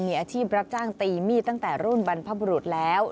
มีอาชีพรับจ้างตีมีดตั้งแต่รุ่นบรรพบุรุษแล้ว